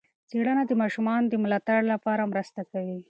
څېړنه د ماشومانو د ملاتړ لپاره مرسته کوي.